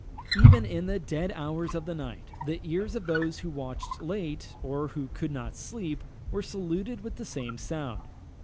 Even in the dead hours of the night, the ears of those who watched late, or who could not sleep, were saluted with the same sound.